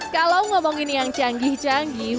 kalau ngomong ini yang canggih canggih